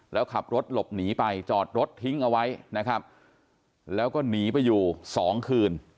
แล้วขับรถหลบหนีไปจอดรถทิ้งเอาไว้นะครับแล้วก็หนีไปอยู่สองคืน